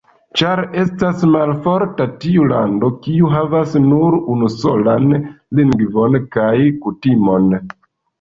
Ĉar estas malforta tiu lando, kiu havas nur unusolan lingvon kaj kutimon.